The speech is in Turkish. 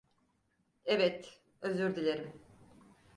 Evet, özür dilerim.